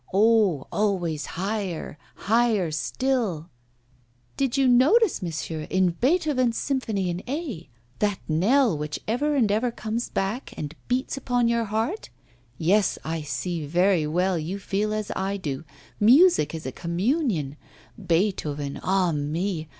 Oh! always higher! higher still ' 'Did you notice, monsieur, in Beethoven's Symphony in A, that knell which ever and ever comes back and beats upon your heart? Yes, I see very well, you feel as I do, music is a communion Beethoven, ah, me!